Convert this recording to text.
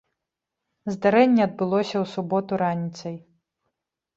Здарэнне адбылося ў суботу раніцай.